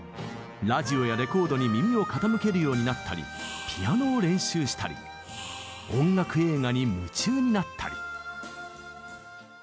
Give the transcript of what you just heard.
ラジオやレコードに耳を傾けるようになったりピアノを練習したり音楽映画に夢中になったり。